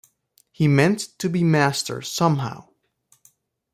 He meant to be master somehow.